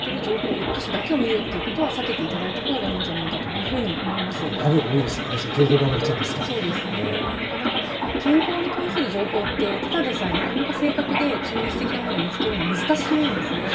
１か所だけを見るということは避けていただいたほうがいいんじゃないか情報バブルといいますかそうですね健康に関する情報ってただでさえなかなか正確で中立的なものを見つけるのは難しいんですね。